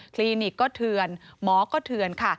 ลินิกก็เถื่อนหมอก็เถื่อนค่ะ